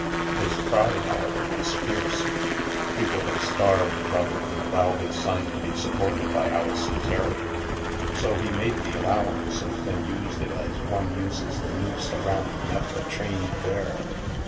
Ris pride, however, was fierce. Re would have starved rather than allow his son to be supported by Alison Terry. So he made the allowance and then used it as one uses the noose around the neck of a trained bear.